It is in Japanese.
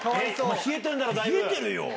冷えてるよ。